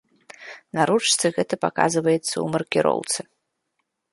На ручцы гэта паказваецца ў маркіроўцы.